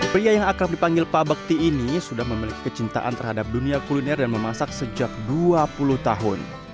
pria yang akrab dipanggil pak bekti ini sudah memiliki kecintaan terhadap dunia kuliner dan memasak sejak dua puluh tahun